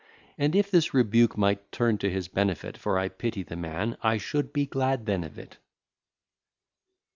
And, if this rebuke might turn to his benefit, (For I pity the man) I should be glad then of it.